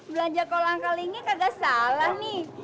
belanja kolang kali ini kagak salah nih